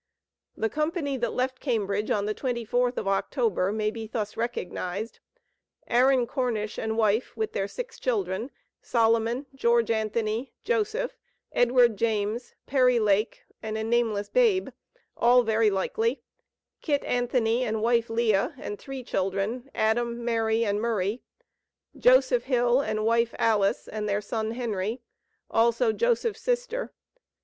The company that left Cambridge on the 24th of October may be thus recognized: Aaron Cornish and wife, with their six children; Solomon, George Anthony, Joseph, Edward James, Perry Lake, and a nameless babe, all very likely; Kit Anthony and wife Leah, and three children, Adam, Mary, and Murray; Joseph Hill and wife Alice, and their son Henry; also Joseph's sister.